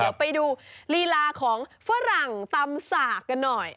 เดี๋ยวไปดูลีลาของฝรั่งตำสากกันหน่อย